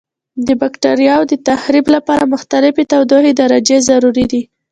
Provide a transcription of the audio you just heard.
د بکټریاوو د تخریب لپاره مختلفې تودوخې درجې ضروري دي.